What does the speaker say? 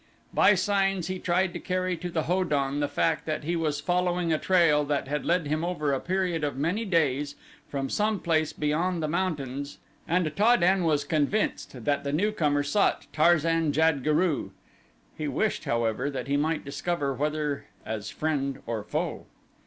By signs he tried to carry to the Ho don the fact that he was following a trail that had led him over a period of many days from some place beyond the mountains and Ta den was convinced that the newcomer sought Tarzan jad guru. He wished, however, that he might discover whether as friend or foe.